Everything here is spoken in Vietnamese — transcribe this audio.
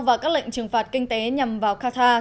và các lệnh trừng phạt kinh tế nhằm vào kha